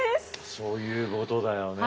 そういうことだよねえ。